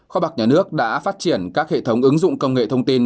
kho bạc nhà nước đã phát triển các hệ thống ứng dụng công nghệ thông tin